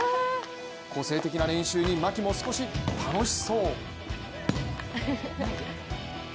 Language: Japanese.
個性的な練習に牧も少し楽しそう。